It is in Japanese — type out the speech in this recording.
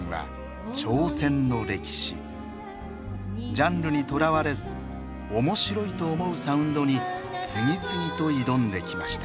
ジャンルにとらわれずおもしろいと思うサウンドに次々と挑んできました。